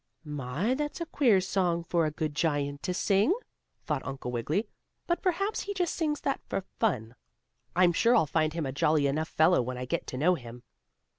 "My, that's a queer song for a good giant to sing," thought Uncle Wiggily. "But perhaps he just sings that for fun. I'm sure I'll find him a jolly enough fellow, when I get to know him."